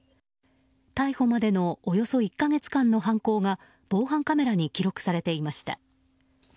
逮捕までのおよそ１か月間の犯行が防犯カメラに記録されていました。